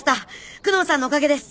久能さんのおかげです。